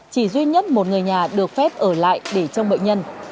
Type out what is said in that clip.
chỉ duy nhất một người nhà được phép ở lại để trông bệnh nhân